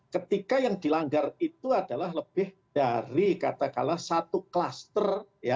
ketika yang dilanggar itu adalah lebih dari katakanlah satu klaster